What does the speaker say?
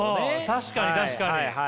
確かに確かに。